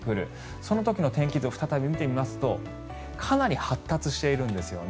その時の天気図を再び見てみますとかなり発達してるんですね。